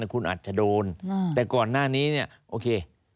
คุณอาจจะโดนแต่ก่อนหน้านี้เนี่ยโอเค